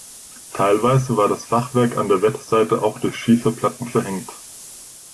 Teilweise war das Fachwerk an der Wetterseite auch durch Schieferplatten verhängt.